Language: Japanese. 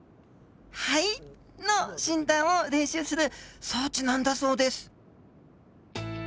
肺？の診断を練習する装置なんだそうです。